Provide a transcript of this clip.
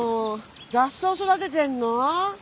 雑草育ててんの？